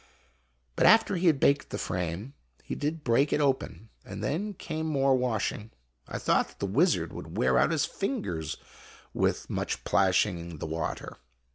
But after he had baked the frame, he did break it open, and then came more washing. I thought that the wizard would wear out his fingers with much plashing t in the water.